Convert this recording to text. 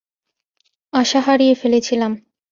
আশা হারিয়ে ফেলেছিলাম।